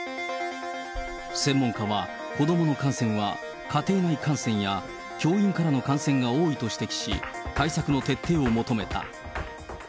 専門家は、子どもの感染は家庭内感染や教員からの感染が多いと指摘し、対策の徹底を求めた。